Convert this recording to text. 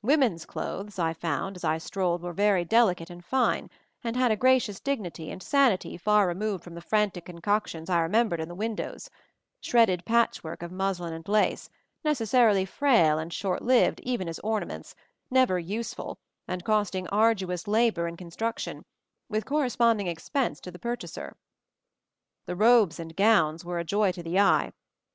Women's clothes, I found, as I strolled were very delicate and fine, and had a gra cious dignity and sanity far removed from the frantic concoctions I remembered in the windows;— shredded patchwork of muslin and lace, necessarily frail and short lived even as ornaments, never useful, and cost ing arduous labor in construction, with cor responding expense to the purchaser. The robes and gowns were a joy to the eye.